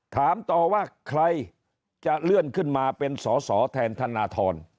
ถามต่อว่าใครจะเลื่อนขึ้นมาเป็นสอสอแทนธนทร